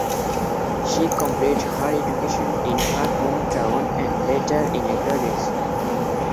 She completed her education in her hometown and later in Agadir.